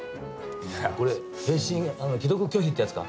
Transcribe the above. これ既読拒否ってやつか？